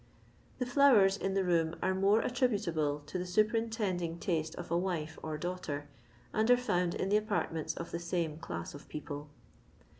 The flowers in the room are more attributable to the superintending taste of a wife or daughter, and are found in the apartments of the same class of people.